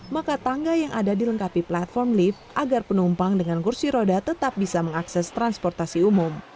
maka tangga yang ada dilengkapi platform lift agar penumpang dengan kursi roda tetap bisa mengakses transportasi umum